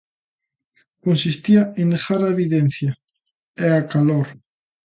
Consistía en negar a evidencia e a calor.